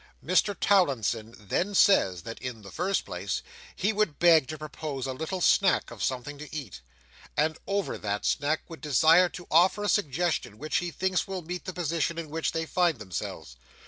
Mr Towlinson then says that, in the first place, he would beg to propose a little snack of something to eat; and over that snack would desire to offer a suggestion which he thinks will meet the position in which they find themselves.